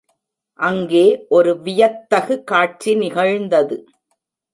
அங்கே ஒரு வியத்தகு காட்சி நிகழ்ந்தது.